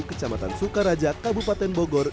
kecamatan sukaraja kabupaten bogor